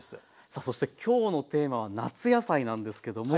さあそして今日のテーマは夏野菜なんですけども。